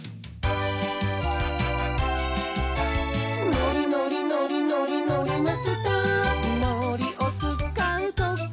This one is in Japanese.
「のりのりのりのりのりマスター」「のりをつかうときは」